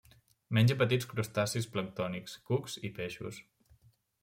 Menja petits crustacis planctònics, cucs i peixos.